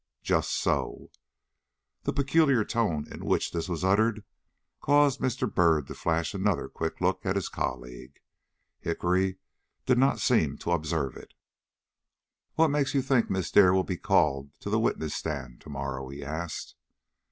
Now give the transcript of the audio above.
"Just so!" The peculiar tone in which this was uttered caused Mr. Byrd to flash another quick look at his colleague. Hickory did not seem to observe it. "What makes you think Miss Dare will be called to the witness stand to morrow?" he asked.